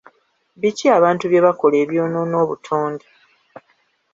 Biki abantu bye bakola ebyonoona obutonde?